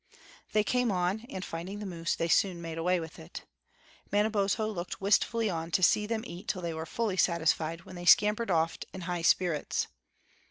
They came on, and finding the moose, they soon made away with it. Manabozho looked wistfully on to see them eat till they were fully satisfied, when they scampered oft in high spirits.